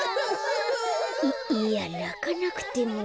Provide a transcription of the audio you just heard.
いやなかなくても。